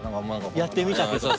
やってみたけど。